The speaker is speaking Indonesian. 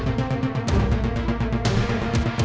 tentu gak sanggup lihat dia